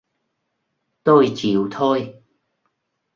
tôi chịu thôi